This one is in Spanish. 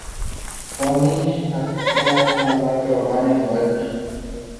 La canción aparece en el episodio de Miami Vice "No Exit".